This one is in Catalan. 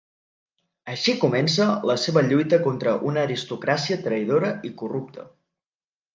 Així comença la seva lluita contra una aristocràcia traïdora i corrupta.